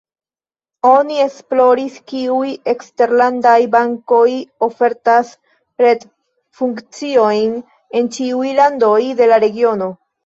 Oni esploris kiuj eksterlandaj bankoj ofertas retfunkciojn en ĉiuj landoj de la regiono.